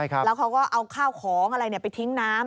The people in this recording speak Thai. แล้วเขาก็เอาข้าวของอะไรไปทิ้งน้ำ